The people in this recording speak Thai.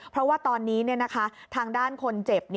เพราะว่าตอนนี้ทางด้านคนเจ็บ